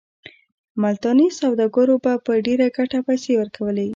ملتاني سوداګرو به په ډېره ګټه پیسې ورکولې.